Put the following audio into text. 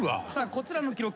こちらの記録。